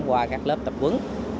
qua các lớp tập quấn